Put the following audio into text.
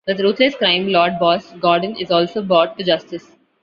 The ruthless crime lord Boss Gordon is also brought to justice.